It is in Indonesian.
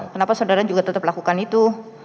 kenapa saudara juga tetap lakukan itu